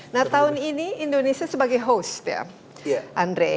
nah tahun ini indonesia sebagai host ya andre